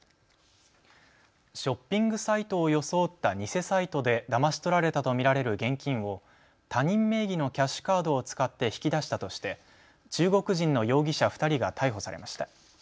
ショッピングサイトを装った偽サイトでだまし取られたと見られる現金を他人名義のキャッシュカードを使って引き出したとして中国人の容疑者２人が逮捕されました。